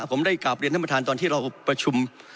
ผมได้กราบเรียนท่านประธานตอนที่เราประชุม